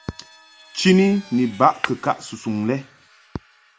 Chini ni baʼ kɨkaʼ susuŋ lɛ.